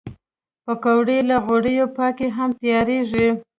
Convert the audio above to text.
پکورې له غوړیو پاکې هم تیارېږي